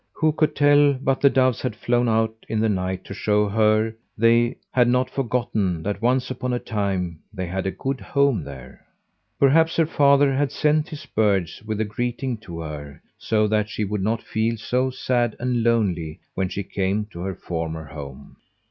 Who could tell but the doves had flown out in the night to show her they had not forgotten that once upon a time they had a good home there. Perhaps her father had sent his birds with a greeting to her, so that she would not feel so sad and lonely when she came to her former home.